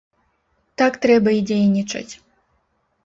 Так трэба і дзейнічаць.